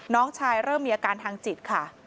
น้องชายเริ่มมีอาการทางจิตค่ะ